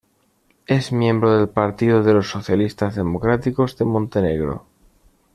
Es miembro del Partido de los Socialistas Democráticos de Montenegro.